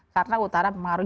karena utara mengaruhi